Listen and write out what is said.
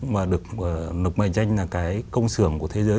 mà được mệnh danh là cái công sưởng của thế giới